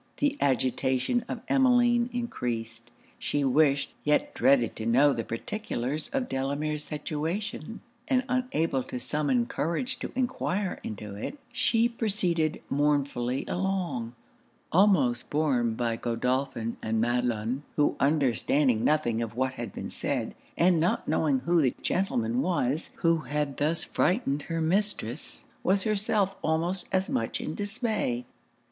The agitation of Emmeline encreased: she wished, yet dreaded to know the particulars of Delamere's situation; and unable to summons courage to enquire into it, she proceeded mournfully along, almost borne by Godolphin and Madelon; who understanding nothing of what had been said, and not knowing who the gentleman was who had thus frightened her mistress, was herself almost as much in dismay.